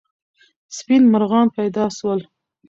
سپین مرغان پیدا سول.